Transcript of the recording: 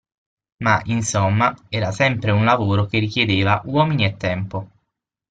Ma, insomma, era sempre un lavoro che richiedeva uomini e tempo.